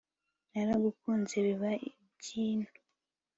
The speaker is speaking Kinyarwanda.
naragukunze biba imbyino